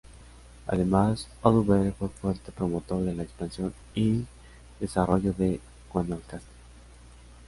Además, Oduber fue fuerte promotor de la expansión y desarrollo de Guanacaste.